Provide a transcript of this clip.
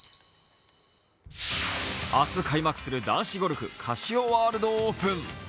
明日開幕する男子ゴルフ、カシオワールドオープン。